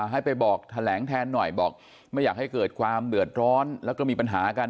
ให้ไปบอกแถลงแทนหน่อยบอกไม่อยากให้เกิดความเดือดร้อนแล้วก็มีปัญหากัน